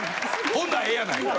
ほなええやないか。